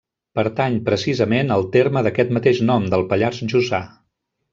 Pertany precisament al terme d'aquest mateix nom, del Pallars Jussà.